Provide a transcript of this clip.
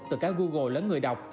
từ cả google lớn người đọc